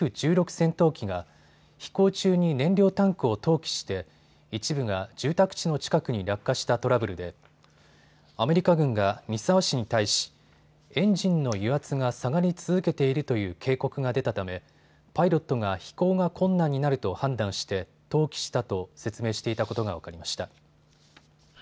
戦闘機が飛行中に燃料タンクを投棄して一部が住宅地の近くに落下したトラブルでアメリカ軍が三沢市に対しエンジンの油圧が下がり続けているという警告が出たためパイロットが飛行が困難になると判断して投棄したと説明していたことが分かりました。